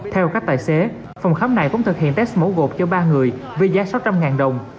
theo các tài xế phòng khám này cũng thực hiện test mổ gột cho ba người với giá sáu trăm linh đồng